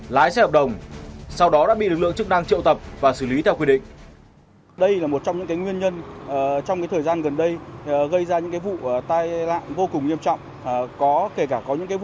lái xe hợp đồng sau đó đã bị lực lượng chức năng triệu tập và xử lý theo quy định